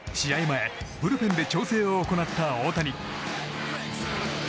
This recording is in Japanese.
前、ブルペンで調整を行った大谷。